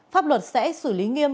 pháp luật sẽ xử lý nghiêm